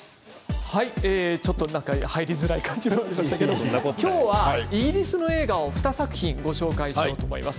ちょっと入りづらい感じでしたけれども今日はイギリスの映画を２作品ご紹介しようと思います。